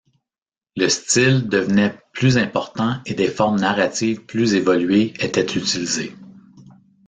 Le style devenait plus important et des formes narratives plus évoluées étaient utilisées.